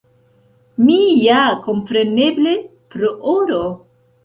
Mi ja, kompreneble, pro oro.